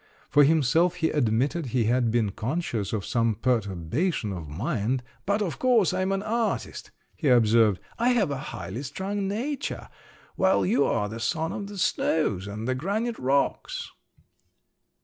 For himself he admitted he had been conscious of some perturbation of mind, "but, of course, I am an artist," he observed; "I have a highly strung nature, while you are the son of the snows and the granite rocks."